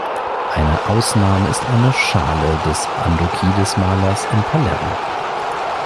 Eine Ausnahme ist eine Schale des Andokides-Malers in Palermo.